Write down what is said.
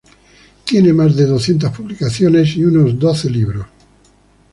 Tiene más de doscientas publicaciones, y unos doce libros.